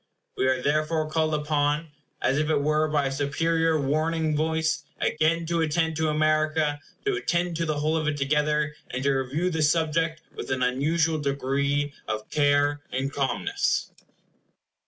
We are therefore called upon, as it were by a superior warning voice, again to attend to America; to attend to the whole of it together; and to review the subject with an unusual degree of care and calmness.